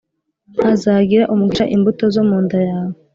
Hazagira umugisha imbuto zo mu nda yawe